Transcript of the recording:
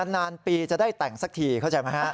นานปีจะได้แต่งสักทีเข้าใจไหมฮะ